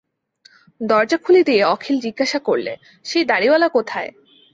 দরজা খুলে দিয়ে অখিল জিজ্ঞাসা করলে, সেই দাড়িওয়ালা কোথায়?